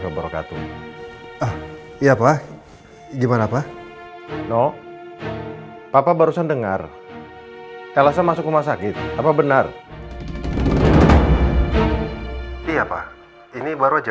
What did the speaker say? ya pa gimana pak noh papa barusan dengar elsa masuk rumah sakit apa benar iya pak ini baru aja